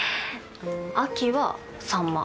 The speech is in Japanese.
秋はサンマ。